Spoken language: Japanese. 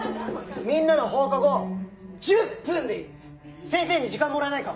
みんなの放課後１０分でいい先生に時間もらえないか？